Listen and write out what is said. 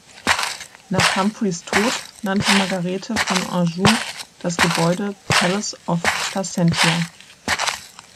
Nach Humphreys Tod nannte Margarete von Anjou das Gebäude Palace of Placentia.